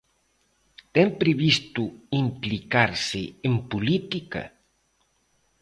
Ten previsto implicarse en política?